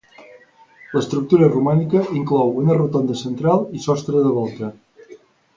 L'estructura Romànica inclou una rotonda central i sostre de volta.